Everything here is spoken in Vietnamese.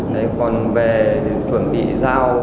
thì em còn về chuẩn bị rau